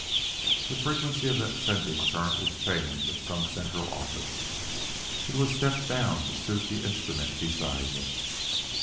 The frequency of that sending current was changed at some central office; it was stepped down to suit the instrument beside him.